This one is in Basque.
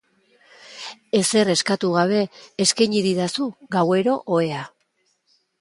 Ezer eskatu gabe eskeini didazu gauero ohea.